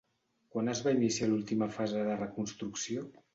Quan es va iniciar l'última fase de reconstrucció?